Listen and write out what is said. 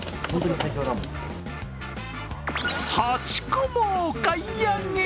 ８個もお買い上げ！